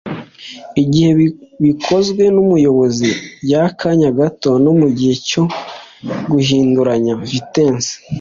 igihe bikonzwe n’umuyobozi byakanya gato no mugihe cyo guhinduranya vitesse